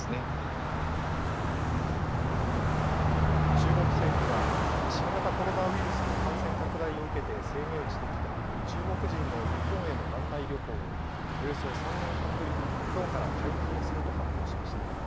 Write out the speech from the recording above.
中国政府は新型コロナウイルスの感染拡大を受けて制限してきた中国人の日本への団体旅行をおよそ３年半ぶりにきょうから解禁すると発表しました。